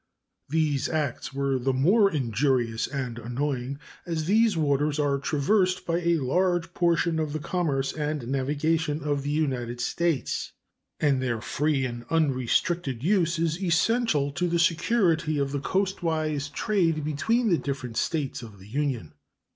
These acts were the more injurious and annoying, as these waters are traversed by a large portion of the commerce and navigation of the United States and their free and unrestricted use is essential to the security of the coastwise trade between the different States of the Union.